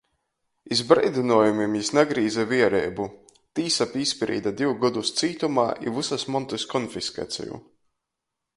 Iz breidynuojumim jis nagrīze viereibu. Tīsa pīsprīde div godus cītumā i vysys montys konfiskaceju.